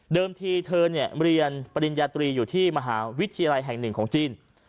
ทีเธอเนี่ยเรียนปริญญาตรีอยู่ที่มหาวิทยาลัยแห่งหนึ่งของจีน